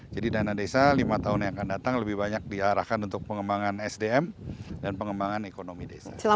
jadi dana desa lima tahun yang akan datang lebih banyak diarahkan untuk pengembangan sdm dan pengembangan ekonomi desa